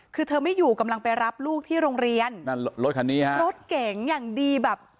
คือเธอไม่อยู่กำลังไปรับลูกที่โรงเรียนนั่นรถคันนี้ฮะรถเก๋งอย่างดีแบบ